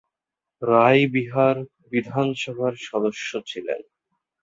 রাই বিহার বিধানসভার সদস্য ছিলেন।